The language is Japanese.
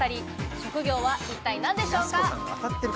職業は一体何でしょうか？